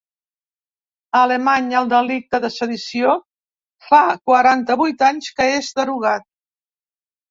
A Alemanya el delicte de sedició fa quaranta-vuit anys que és derogat.